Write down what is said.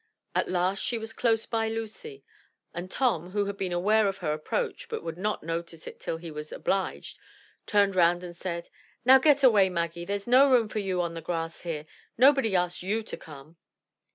At last she was close by Lucy; and Tom, who had been aware of her approach, but would not notice it till he was obliged, turned round and said, — "Now get away, Maggie; there's no room for you on the grass here. Nobody asked you to come."